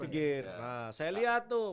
nah saya lihat tuh